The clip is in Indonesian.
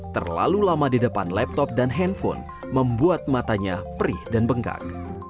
terlalu lama di depan laptop dan handphone membuat matanya perih dan bengkak